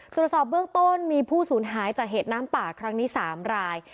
ตรวจสอบเบื้องต้นมีผู้สูญหายจากเหตุน้ำป่าครั้งนี้๓ราย